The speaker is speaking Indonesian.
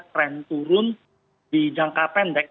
tren turun di jangka pendek